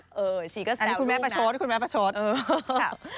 อือชี้ก็แซวนูกนะ